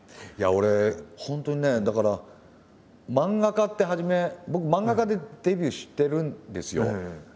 いや俺本当にねだから漫画家って初め僕漫画家でデビューしてるんですよ。